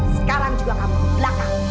sekarang juga kamu belakang